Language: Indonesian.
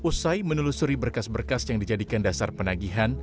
usai menelusuri berkas berkas yang dijadikan dasar penagihan